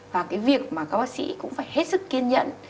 và cái việc mà các bác sĩ cũng phải hết sức kiên nhẫn